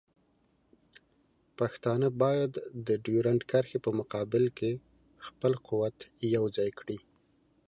پښتانه باید د ډیورنډ کرښې په مقابل کې خپل قوت یوځای کړي.